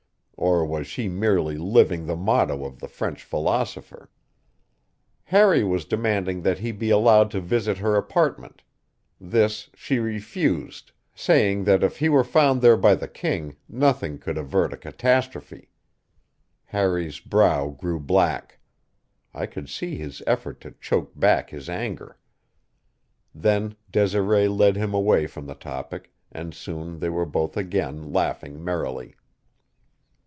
Or was she merely living the motto of the French philosopher? Harry was demanding that he be allowed to visit her apartment; this she refused, saying that if he were found there by the king nothing could avert a catastrophe. Harry's brow grew black; I could see his effort to choke back his anger. Then Desiree led him away from the topic, and soon they were both again laughing merrily.